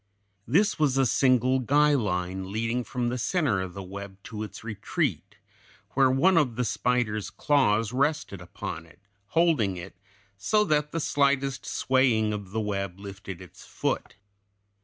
This was a single guy line leading from the center of the web to its retreat, where one of the spider's claws rested upon it, holding it, so that the slightest swaying of the web lifted its foot.